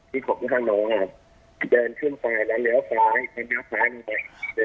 ที่ของทางน้องอ่ะเดินขึ้นไปแล้วเลี้ยวซ้ายแล้วเลี้ยวซ้ายลงไปเดิน